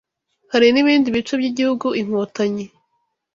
hari n’ibindi bice by’igihugu Inkotanyi